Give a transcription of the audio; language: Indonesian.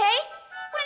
mending kalian pergi aja